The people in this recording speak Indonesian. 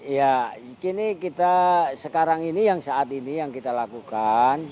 ya ini kita sekarang ini yang saat ini yang kita lakukan